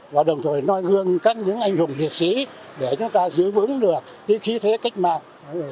và đồng thời noi gương các những anh hùng liệt sĩ để chúng ta giữ vững được khí thế cách mạng